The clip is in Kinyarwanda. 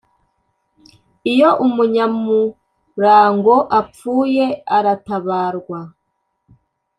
iyo umunyamurango apfuye aratabarwa